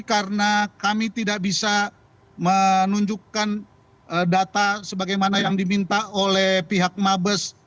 karena kami tidak bisa menunjukkan data yang diminta oleh pihak mabes